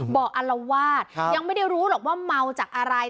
อัลวาดยังไม่ได้รู้หรอกว่าเมาจากอะไร